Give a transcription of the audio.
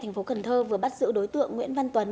thành phố cần thơ vừa bắt giữ đối tượng nguyễn văn tuấn